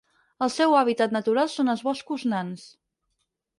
El seu hàbitat natural són els boscos nans.